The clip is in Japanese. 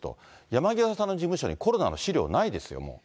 山際さんの事務所にコロナの資料ないですよ、もう。